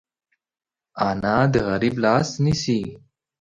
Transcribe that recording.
انا د غریب لاس نیسي